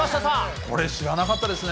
これ、知らなかったですね。